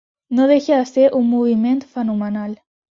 No deixa de ser un moviment fenomenal.